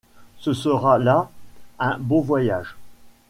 Ce sera là un beau voyage.